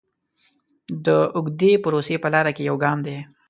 د اوږدې پروسې په لاره کې یو ګام دی.